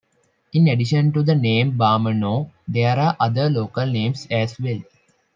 In addition to the name "Barmanou" there are other local names as well.